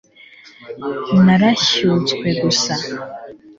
narashyutswe gusa